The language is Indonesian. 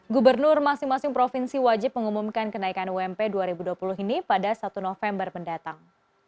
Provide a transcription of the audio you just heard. gubernur masing masing provinsi wajib mengumumkan kenaikan ump dua ribu dua puluh ini pada satu november mendatang